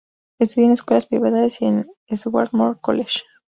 Estudió en escuelas privadas y en el Swarthmore College.